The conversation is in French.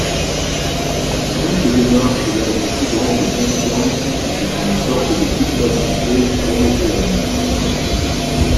Toute démarche vers une plus grande conscience est une sorte de culpabilité prométhéenne.